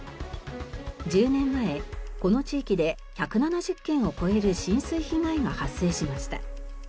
１０年前この地域で１７０件を超える浸水被害が発生しました。